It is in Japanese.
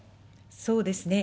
そうですね。